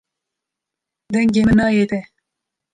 Dengê min nayê te.